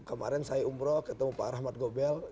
kemarin saya umroh ketemu pak rahmat gobel